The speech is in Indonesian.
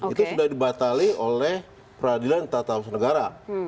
itu sudah dibatali oleh peradilan tata usaha negara